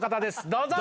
どうぞ。